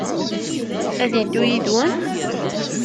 Ad yeddu yid-wen?